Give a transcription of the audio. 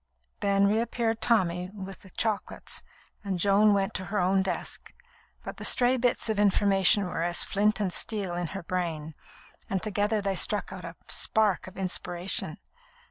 Then reappeared Tommy with the chocolates, and Joan went to her own desk; but the stray bits of information were as flint and steel in her brain, and together they struck out a spark of inspiration.